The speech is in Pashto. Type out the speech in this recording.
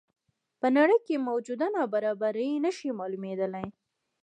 په نړۍ کې موجوده نابرابري نه شي معلومېدلی.